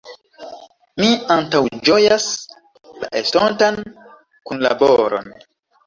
Mi antaŭĝojas la estontan kunlaboron.